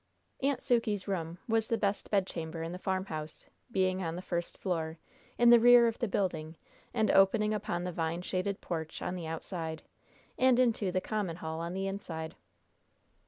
"Aunt Sukey's room" was the best bedchamber in the farmhouse, being on the first floor, in the rear of the building, and opening upon the vine shaded porch on the outside, and into the common hall on the inside.